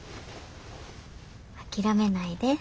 諦めないで。